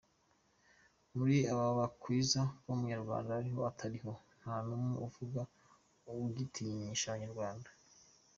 Muri abo bakwiza ko Umunyarwanda ariho atariho, nta n’umwe uvuga igitinyisha Abanyarwanda.